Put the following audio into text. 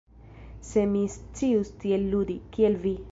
Se mi scius tiel ludi, kiel Vi!